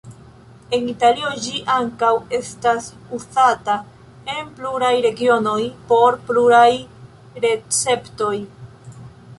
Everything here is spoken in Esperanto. En Italio ĝi ankaŭ estas uzata en pluraj regionoj por pluraj receptoj.